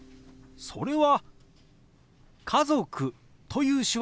それは「家族」という手話ですよ。